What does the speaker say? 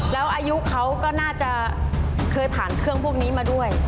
แล้วอายุเขาก็น่าจะเคยผ่านเครื่องพวกนี้มาด้วย